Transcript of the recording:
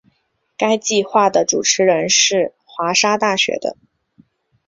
该计画的主持人是华沙大学的。